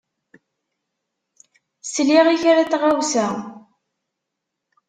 Sliɣ i kra n tɣawsa.